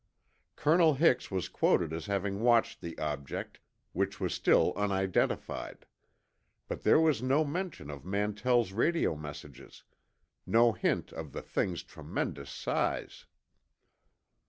Colonel Hix was quoted as having watched the object, which was still unidentified. But there was no mention of Mantell's radio messages—no hint of the thing's tremendous size.